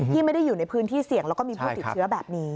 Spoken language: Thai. ที่ไม่ได้อยู่ในพื้นที่เสี่ยงแล้วก็มีผู้ติดเชื้อแบบนี้